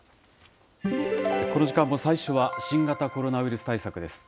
この時間も最初は新型コロナウイルス対策です。